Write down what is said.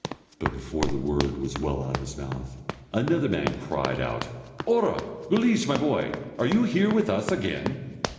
But before the word was well out of his mouth, another man cried out: "Ora! Guleesh, my boy, are you here with us again?